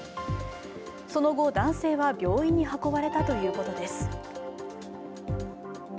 その後、男性は病院に運ばれたということです。